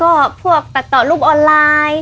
ก็พวกตัดต่อรูปออนไลน์